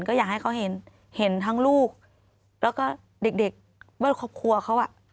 ก็อยากให้เขาเห็นเห็นทั้งลูกแล้วก็เด็กแว้นครอบครัวเขาอ่ะ